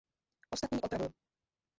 Ostatní opravuju.